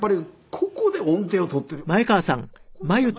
そこで音を取っている。